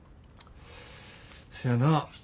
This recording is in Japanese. せやな。